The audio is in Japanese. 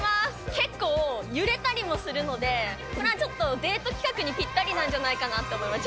結構、揺れたりもするので、これはちょっと、デート企画にぴったりなんじゃないかなと思います。